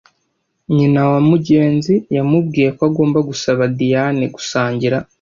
Nyina wa Mugenzi yamubwiye ko agomba gusaba Diyane gusangira.